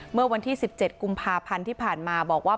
เมื่อวันที่๑๗กุมภาพันธ์ที่ผ่านมาบอกว่า